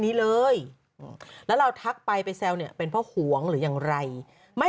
นี้เลยแล้วเราทักไปไปแซวเนี่ยเป็นเพราะหวงหรืออย่างไรไม่